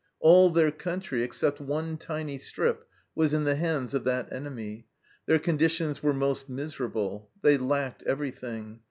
All their country, except one tiny strip, was in the hands of that enemy ; their conditions were most miserable. They lacked everything.